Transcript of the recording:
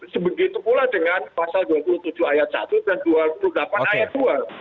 sebegitu pula dengan pasal dua puluh tujuh ayat satu dan dua puluh delapan ayat dua